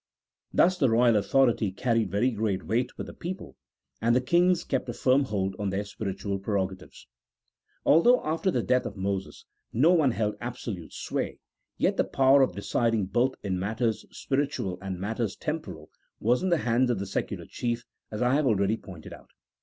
Thus the royal authority carried very great weight with the people, and the kings kept a firm hold on their spiritual prerogatives. Although, after the death of Moses, no one held absolute sway, yet the power of deciding both in matters spiritual and matters temporal was in the hands of the secular chief, as I have already pointed out.